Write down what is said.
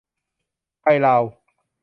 ไทยลาว